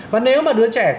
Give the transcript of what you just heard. và nếu mà đứa trẻ